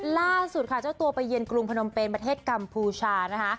ล่าสุดค่ะเจ้าตัวไปเยือนกรุงพนมเป็นประเทศกัมพูชานะคะ